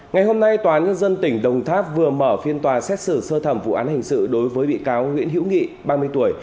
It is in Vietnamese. ngày hôm nay tòa án nhân dân tỉnh đồng tháp vừa mở phiên tòa xét xử sơ thẩm vụ án hình sự đối với bị cáo nguyễn hiễu nghị ba mươi tuổi